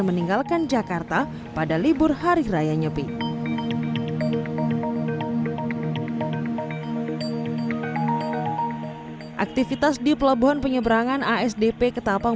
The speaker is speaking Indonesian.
meninggalkan jakarta pada libur hari raya nyepi aktivitas di pelabuhan penyeberangan asdp ketapang